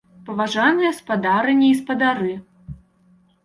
Паважаныя спадарыні і спадары!